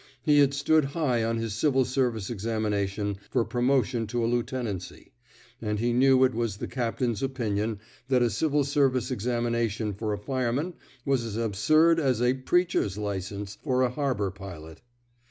He had stood high on his civil service examination for promotion to a lieutenancy; and he knew it was the captain ^s opinion that a civil service examination for a fireman was as absurd as a preacher's license *' for a harbor pilot.